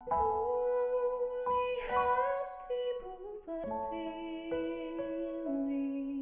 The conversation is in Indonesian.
kulih hatimu berdiri